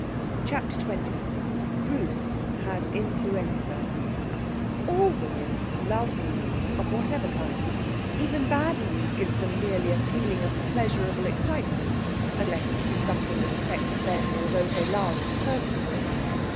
CHAPTER XX Bruce has Influenza All women love news of whatever kind; even bad news gives them merely a feeling of pleasurable excitement, unless it is something that affects them or those they love personally.